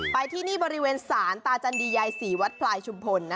ไปที่นี่บริเวณศาลตาจันดียายศรีวัดพลายชุมพล